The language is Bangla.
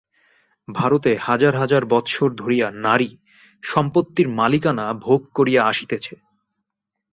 ভারতে হাজার হাজার বৎসর ধরিয়া নারী সম্পত্তির মালিকানা ভোগ করিয়া আসিতেছে।